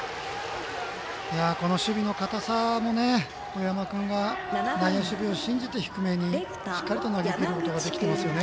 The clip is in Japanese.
この守備の堅さも上山君が内野守備を信じて低めにしっかりと投げきることができていますよね。